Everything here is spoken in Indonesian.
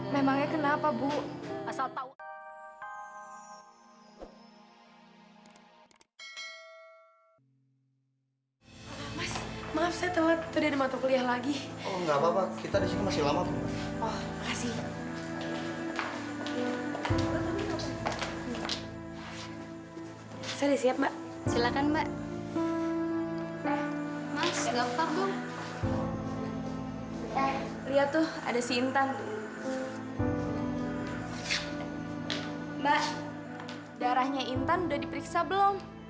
mbak darahnya intan udah diperiksa belum